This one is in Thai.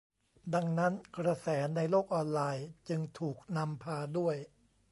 ดังนั้นกระแสในโลกออนไลน์จึงถูกนำพาด้วย